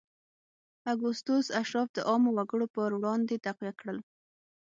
اګوستوس اشراف د عامو وګړو پر وړاندې تقویه کړل